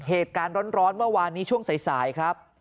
เหตุการณ์ร้อนเมื่อวานนี้ช่วงสายครับ